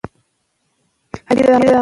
ځینې ګړې بېلې نښې غواړي.